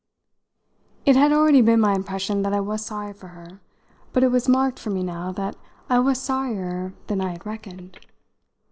It had already been my impression that I was sorry for her, but it was marked for me now that I was sorrier than I had reckoned.